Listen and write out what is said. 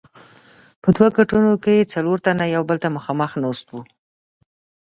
په دوو کټونو کې څلور تنه یو بل ته مخامخ ناست وو.